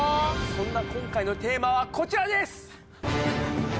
そんな今回のテーマはこちらです！